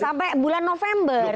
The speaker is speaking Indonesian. sampai bulan november